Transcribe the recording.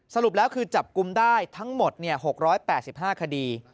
สรุปแล้วคือจับกลุ่มได้ทั้งหมด๖๘๕คดี